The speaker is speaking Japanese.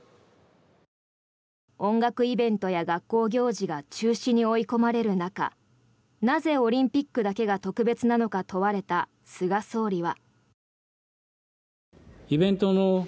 音楽イベントや学校行事が中止に追い込まれる中なぜ、オリンピックだけが特別なのか問われた菅総理は。